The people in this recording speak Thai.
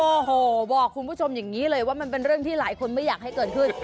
โอ้โหบอกคุณผู้ชมอย่างนี้เลยว่ามันเป็นเรื่องที่หลายคนไม่อยากให้เกิดขึ้น